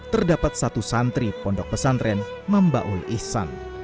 terdapat satu santri pondok pesantren mambaul ihsan